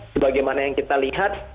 sebagaimana yang kita lihat